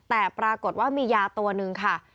แต่ปรากฏว่ามียาตัวนึงค่ะ